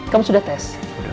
kamu sudah tes